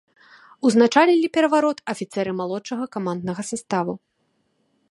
Узначалілі пераварот афіцэры малодшага каманднага саставу.